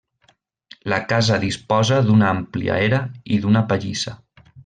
La casa disposa d'una àmplia era i d'una pallissa.